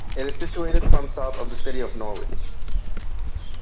It is situated some south of the city of Norwich.